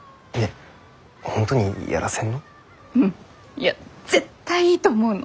いや絶対いいと思うの。